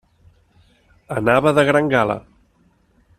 Anava de gran gala.